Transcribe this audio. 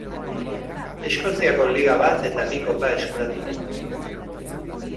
Eskoziako Liga bat eta bi kopa eskuratu ditu.